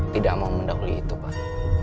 tidak mau mendahului itu pak